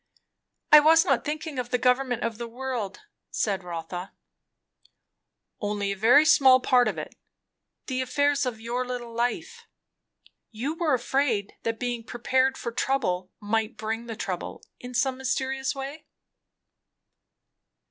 "I was not thinking of the government of the world," said Rotha, "Only of a very small part of it, the affairs of your little life. You were afraid that being prepared for trouble might bring the trouble, in some mysterious way?"